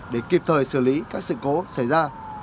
để kịp thời xử lý các sự cố xảy ra